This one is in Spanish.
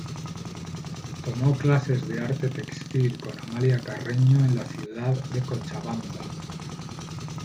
Tomó clases de arte textil con Amalia Carreño en la ciudad de Cochabamba.